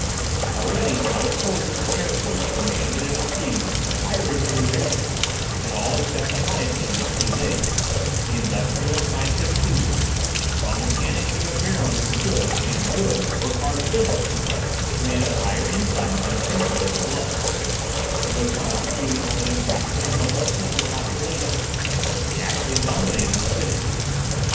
Already common soldiers and air crews demanded and received higher remuneration than all except the highest of the Ki Ling, the industrial and scientific leaders, while mechanics and repairmen who could, and would, work hard physically, commanded higher incomes than Princes of the Blood, and though constituting only a fraction of one per cent of the population they actually dominated the city.